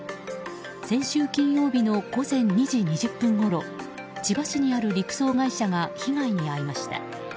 先週金曜日の午前２時２０分ごろ千葉市にある陸送会社が被害に遭いました。